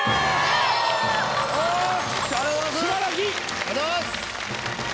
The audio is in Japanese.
ありがとうございます。